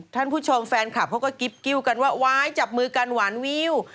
ท่านผู้ชมแฟนคลับเขาก็กิ๊บกิ้วกันว่าว้ายจับมือกันหวานวิว